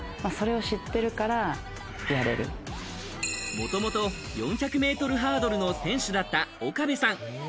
もともと、４００ｍハードルの選手だった岡部さん。